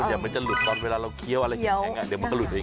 เราเขี้ยวอันแบบนี้เดี๋ยวมันจะหลุดอย่างไร